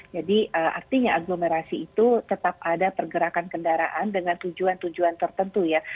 jadi artinya aglomerasi itu tetap ada pergerakan kendaraan dengan tujuan tujuan tertentu ya